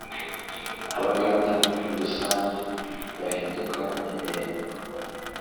abaganda n’udusambi bahinduka impehe